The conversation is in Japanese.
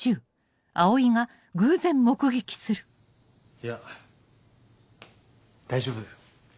いや大丈夫だよ。